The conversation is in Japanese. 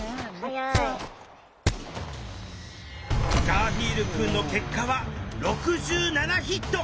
ガーフィールくんの結果は６７ヒット！